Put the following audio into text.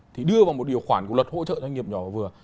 thì đưa vào một điều khoản của luật hỗ trợ doanh nghiệp nhỏ và vừa